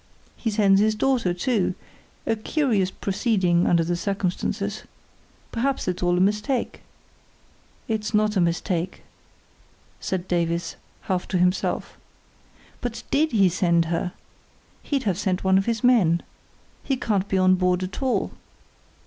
He sends his daughter, too; a curious proceeding under the circumstances. Perhaps it's all a mistake." "It's not a mistake," said Davies, half to himself. "But did he send her? He'd have sent one of his men. He can't be on board at all."